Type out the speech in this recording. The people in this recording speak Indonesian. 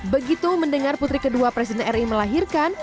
begitu mendengar putri kedua presiden ri melahirkan